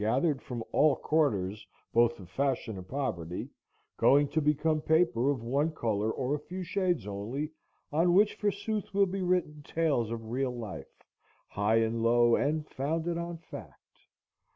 gathered from all quarters both of fashion and poverty, going to become paper of one color or a few shades only, on which forsooth will be written tales of real life, high and low, and founded on fact!